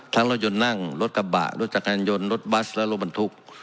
รถยนต์นั่งรถกระบะรถจักรยานยนต์รถบัสและรถบรรทุก